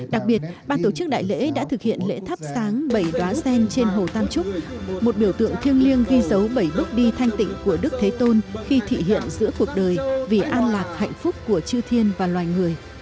đặc biệt ban tổ chức đại lễ đã thực hiện lễ thắp sáng bảy đoáa gen trên hồ tam trúc một biểu tượng thiêng liêng ghi dấu bảy bước đi thanh tịnh của đức thế tôn khi thị hiện giữa cuộc đời vì an lạc hạnh phúc của chư thiên và loài người